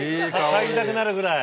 嗅ぎたくなるぐらい。